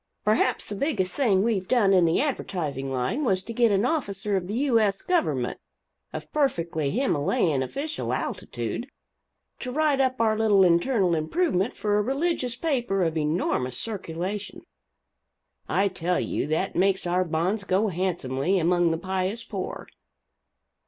Perhaps the biggest thing we've done in the advertising line was to get an officer of the U. S. government, of perfectly Himmalayan official altitude, to write up our little internal improvement for a religious paper of enormous circulation I tell you that makes our bonds go handsomely among the pious poor.